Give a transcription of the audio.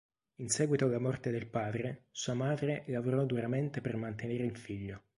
In seguito alla morte del padre, sua madre lavorò duramente per mantenere il figlio.